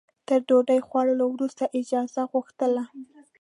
تر ډوډۍ خوړلو وروسته اجازه غوښتله.